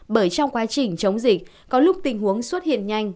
bởi trong quá trình chống dịch có lúc tình huống xuất hiện nhanh